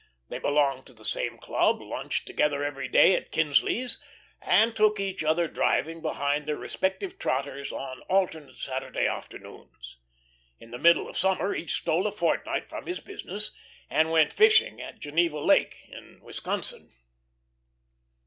They belonged to the same club, lunched together every day at Kinsley's, and took each other driving behind their respective trotters on alternate Saturday afternoons. In the middle of summer each stole a fortnight from his business, and went fishing at Geneva Lake in Wisconsin.